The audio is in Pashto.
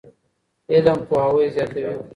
علم پوهاوی زیاتوي.